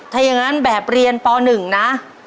ถ้าอย่างนั้นแบบเรียนป๑นะ